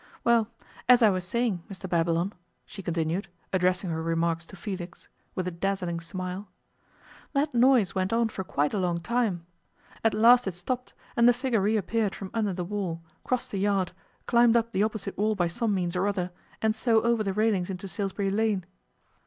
Well, as I was saying, Mr. Babylon,' she continued, addressing her remarks to Felix, with a dazzling smile, 'that noise went on for quite a long time. At last it stopped, and the figure reappeared from under the wall, crossed the yard, climbed up the opposite wall by some means or other, and so over the railings into Salisbury Lane.